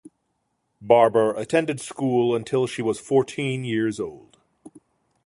Barbour attended school until she was fourteen years old.